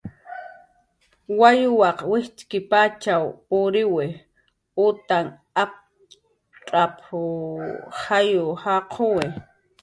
"Wawyaq wijtxkipatxaw puriw utan aptz'ap"" jayw jaquwi"